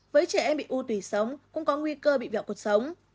với trẻ em bị u tủy sống cũng có nguy cơ bị vẹo cuộc sống